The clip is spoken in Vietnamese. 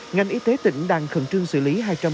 ngành y tế tỉnh đang khẩn trương xử lý